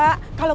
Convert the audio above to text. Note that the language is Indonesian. kalau kita tahu